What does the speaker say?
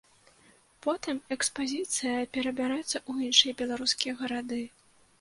Потым экспазіцыя перабярэцца ў іншыя беларускія гарады.